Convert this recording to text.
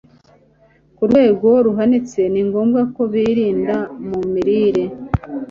ku rwego ruhanitse Ni ngombwa ko birinda mu mirire